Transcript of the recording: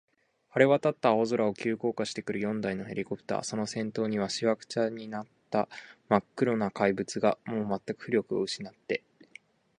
晴れわたった青空を、急降下してくる四台のヘリコプター、その先頭には、しわくちゃになったまっ黒な怪物が、もうまったく浮力をうしなって、